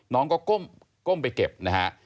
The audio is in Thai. น้องก็ก้มไปเก็บนะฮะ